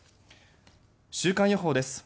週間予報です。